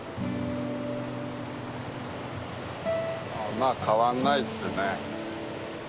まあ変わんないですよね。